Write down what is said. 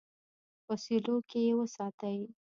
په سیلو کې یې وساتي.